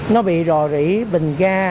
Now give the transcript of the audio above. nó bị rò rỉ bình ga